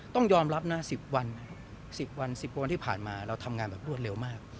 ต้องยอมรับนะ๑๐วันนะครับ๑๐วัน๑๐กว่าวันที่ผ่านมาเราทำงานแบบรวดเร็วมาก